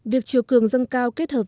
việc chiều cường dâng cao kết hợp